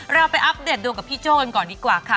เราไปอัปเดตดวงกับพี่โจ้กันก่อนดีกว่าค่ะ